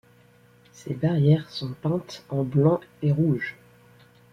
Ces barrières sont peintes en blanc et rouge.